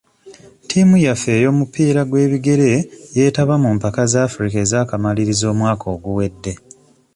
Ttiimu yaffe ey'omupiira gw'ebigere yeetaba mu mpaka za Africa ez'akamalirirzo omwaka oguwedde.